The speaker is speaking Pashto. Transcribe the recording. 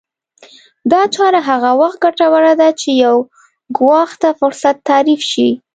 دا چاره هغه وخت ګټوره ده چې يو ګواښ ته فرصت تعريف شي.